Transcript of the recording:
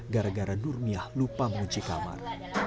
sehingga nurniah lupa mengunci kamar